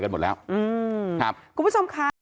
กันหมดแล้วครับคุณผู้ชมค่ะ